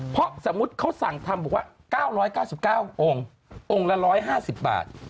เพราะสมมุติเขาสั่งทำบอกว่า๙๙๙องค์องค์ละ๑๕๐บาท